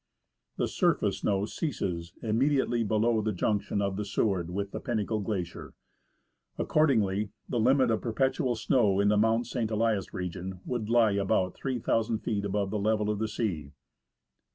The surface snow ceases immediately below the junction of the Seward with the Pinnacle Glacier. Accordingly, the limit of perpetual snow in the Mount St. Elias region would lie about 3,000 feet above the level of the sea.